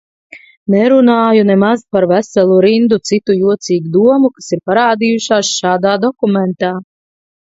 Nerunāju nemaz par veselu rindu citu jocīgu domu, kas ir parādījušās šādā dokumentā.